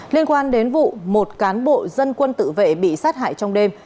liên quan đến vụ một cán bộ dân quân tự vệ bị sát hại trong đêm